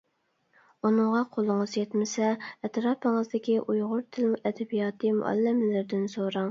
ئۇنىڭغا قولىڭىز يەتمىسە ئەتراپىڭىزدىكى ئۇيغۇر تىل-ئەدەبىياتى مۇئەللىملىرىدىن سوراڭ.